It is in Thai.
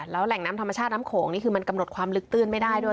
แล้วแหล่งน้ำธรรมชาติน้ำโขงนี่คือมันกำหนดความลึกตื้นไม่ได้ด้วย